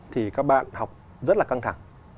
thì các bạn học rất là căng thẳng